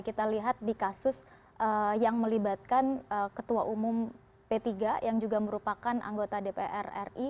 kita lihat di kasus yang melibatkan ketua umum p tiga yang juga merupakan anggota dpr ri